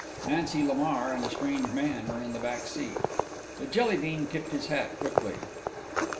Nancy Lamar and a strange man were in the back seat. The Jelly bean tipped his hat quickly.